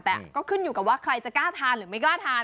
แต่ก็ขึ้นอยู่กับว่าใครจะกล้าทานหรือไม่กล้าทาน